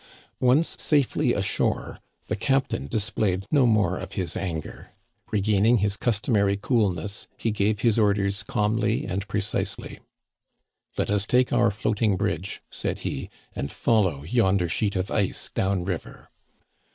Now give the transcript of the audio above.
Once safely ashore, the captain displayed no more of his anger. Regaining his customary coolness he gave his orders calmly and precisely. " Let us take our floating bridge," said he, and fol low yonder sheet of ice down river."